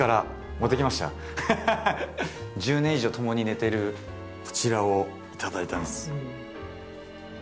１０年以上ともに寝てるこちらを頂いたんです。